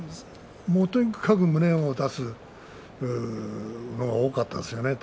とにかく胸を出すというのが多かったですね。